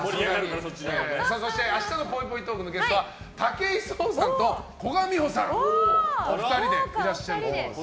明日のぽいぽいトークのゲストは武井壮さんと古閑美保さんがお二人でいらっしゃると。